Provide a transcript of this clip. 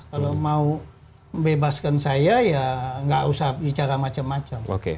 kalau mau membebaskan saya ya nggak usah bicara macam macam